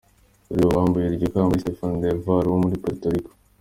Kuri ubu uwambaye iryo kamba ni Stephanie Del Valle wo muri Puerto Rico.